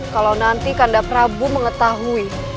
kalau nanti kandap prabu mengetahui